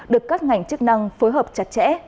được các ngành chức năng phối hợp chặt chẽ